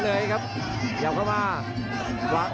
ขวางแขงขวาเจอเททิ้ง